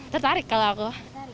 tertarik kalau aku